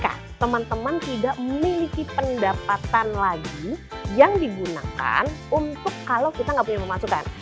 nah teman teman tidak memiliki pendapatan lagi yang digunakan untuk kalau kita nggak punya pemasukan